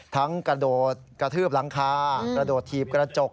กระโดดกระทืบหลังคากระโดดถีบกระจก